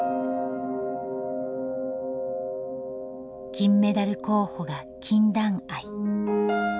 「金メダル候補が禁断愛」。